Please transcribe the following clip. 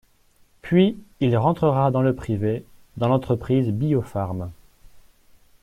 Puis il rentrera dans le privé dans l'entreprise Biopharm.